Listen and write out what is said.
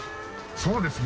そうですね。